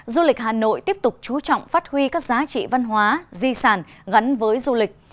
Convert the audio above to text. du lịch hà nội tiếp tục chú trọng phát huy các giá trị văn hóa di sản gắn với du lịch